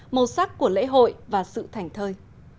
màu sắc của lễ hội và sự thảnh thơi